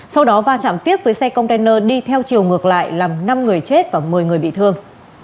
sau đó va chạm tiếp với xe container đi theo chiều ngược lại làm năm người chết và một mươi người bị thương